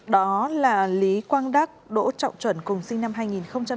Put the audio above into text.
đó là lý quang đắc đỗ trọng chuẩn cùng sinh năm hai nghìn một